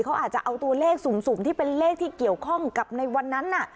เขาอาจจะเอาตัวเลขสุ่มที่เป็นเลขที่เกี่ยวข้องกับในวันนั้น